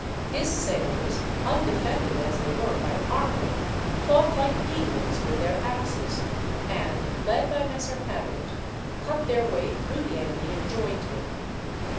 His sailors, undefended as they were by armour, fought like demons with their axes, and, led by Messer Hammond, cut their way through the enemy and joined me.